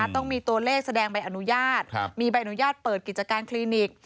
ต้องมีตัวเลขแสดงใบอนุญาตมีใบอนุญาตเปิดกิจการคลินิก